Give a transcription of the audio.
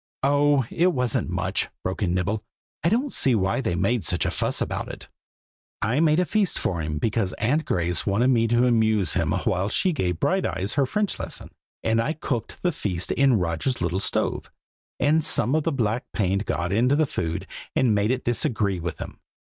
"Oh! it wasn't much!" broke in Nibble: "I don't see why they made such a fuss about it. I made a feast for him, because Aunt Grace wanted me to amuse him while she gave Brighteyes her French lesson; and I cooked the feast in Roger's little stove, and some of the black paint got into the food and made it disagree with him.